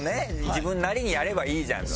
自分なりにやればいいじゃんと。